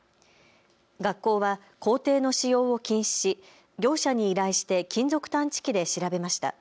学校は校庭の使用を禁止し業者に依頼して金属探知機で調べました。